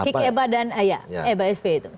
kick eba dan eba sp itu